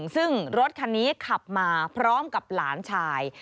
ซึ่งรถคันนี้ขับมาพร้อมกับหลานชาย